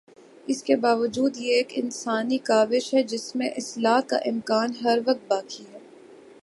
اس کے باوجود یہ ایک انسانی کاوش ہے جس میں اصلاح کا امکان ہر وقت باقی ہے۔